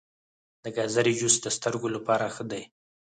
د ګازرې جوس د سترګو لپاره ښه دی.